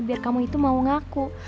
biar kamu itu mau ngaku